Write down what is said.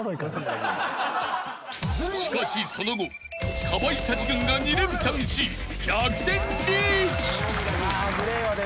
［しかしその後かまいたち軍が２レンチャンし逆転リーチ］